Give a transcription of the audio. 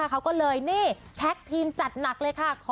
เขาก็เลยนี่แท็กทีมจัดหนักเลยค่ะ